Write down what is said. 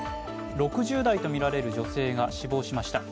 ６０代とみられる女性が死亡しました。